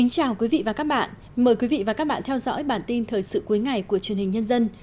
chào mừng quý vị đến với bản tin thời sự cuối ngày của truyền hình nhân dân